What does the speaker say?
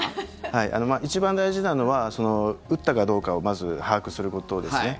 一番大事なのは撃ったかどうかをまず把握することですね。